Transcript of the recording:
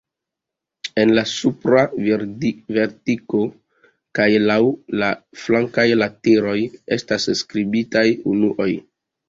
En la supra vertico kaj laŭ la flankaj lateroj estas skribitaj unuoj.